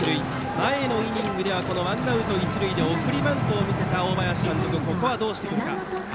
前のイニングではワンアウト、一塁で送りバントを見せた大林監督、ここはどうしてくるか。